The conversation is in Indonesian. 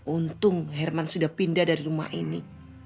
untung herman sudah pindah dari rumah ini